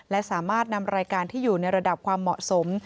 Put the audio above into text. และสามารถนำรายการที่อยู่ในระดับความเหมาะสม